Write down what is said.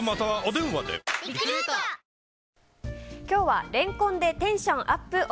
今日はレンコンでテンションアップ